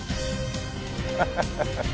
ハハハハ。